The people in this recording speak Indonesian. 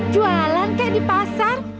jualan kek di pasar